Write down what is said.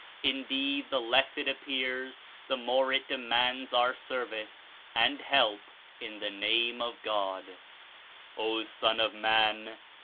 Indeed, the less It appears, the more it demands our service and help in the Name of God. ''O Son of Man!